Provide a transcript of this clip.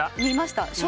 見ました。